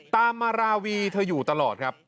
ตามมาราวีเธออยู่ตลอดครับ